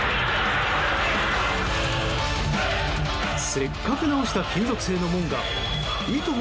せっかく直した金属製の門がいとも